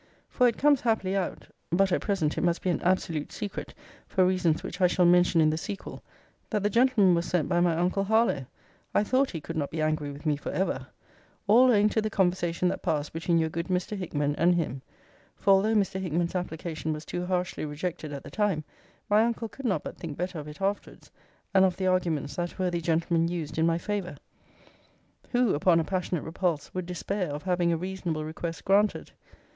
For it comes happily out, (but at present it must be an absolute secret, for reasons which I shall mention in the sequel,) that the gentleman was sent by my uncle Harlowe [I thought he could not be angry with me for ever]: all owing to the conversation that passed between your good Mr. Hickman and him. For although Mr. Hickman's application was too harshly rejected at the time, my uncle could not but think better of it afterwards, and of the arguments that worthy gentleman used in my favour. Who, upon a passionate repulse, would despair of having a reasonable request granted?